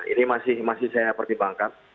ini masih saya pertimbangkan